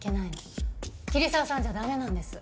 桐沢さんじゃ駄目なんです。